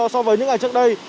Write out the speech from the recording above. so với những ngày trước đây